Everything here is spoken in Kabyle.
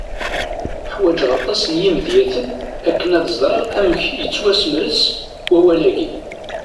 Ḥwejeɣ aṭas n yimedyaten akken ad ẓreɣ amek yettwasemres wawal-agi.